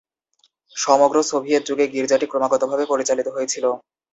সমগ্র সোভিয়েত যুগে গির্জাটি ক্রমাগতভাবে পরিচালিত হয়েছিল।